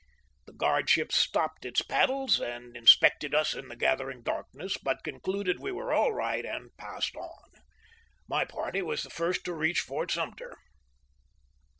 The guard ship stopped its paddles and inspected us in the gathering darkness, but concluded we were all right and passed on. My party was the first to reach Fort Sumter.